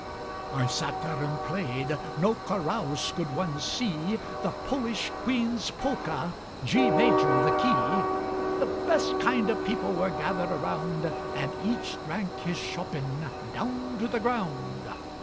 "I sat there and played no carouse could one see The Polish Queen's Polka G major the key: The best kind of people were gathered around, And each drank his schoppen 'down to the ground.'